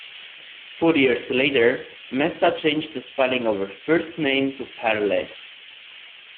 Four years later, Mesta changed the spelling of her first name to Perle.